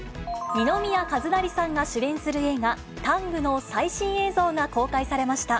二宮和也さんが主演する映画、ＴＡＮＧの最新映像が公開されました。